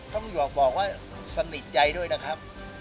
ต้องหยอกบอกว่าสนิทใจด้วยนะครับ